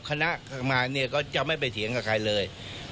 คณะกรรมการเนี่ยก็จะไม่ไปเถียงกับใครเลย